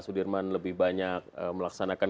sudirman lebih banyak melaksanakan